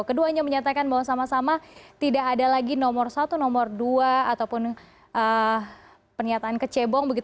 keduanya menyatakan bahwa sama sama tidak ada lagi nomor satu nomor dua ataupun pernyataan kecebong